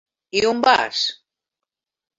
I on vas?